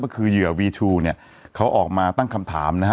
ก็คือเหยื่อวีชูเนี่ยเขาออกมาตั้งคำถามนะฮะ